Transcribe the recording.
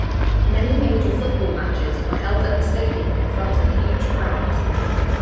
Many major football matches were held at the stadium in front of huge crowds.